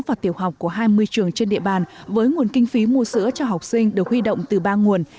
và tiểu học của hai mươi trường trên địa bàn với nguồn kinh phí mua sữa cho học sinh được huy động từ ba nguồn